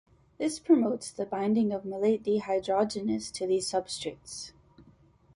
This promotes the binding of malate dehydrogenase to these substrates.